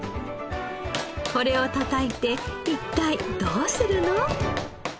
これをたたいて一体どうするの？